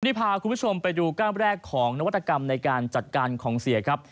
นี่พาคุณผู้ชมไปดูก้ามแรกของนวัตกรรมในการจัดการของเสียครับ